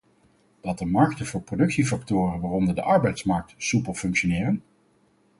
Dat de markten voor productiefactoren, waaronder de arbeidsmarkt, soepel functioneren?